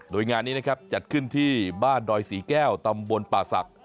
โดยงานนี้นะครับจัดขึ้นที่บ้านดอยศรีแก้วตำบลป่าศักดิ